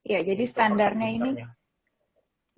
ya jadi standarnya ini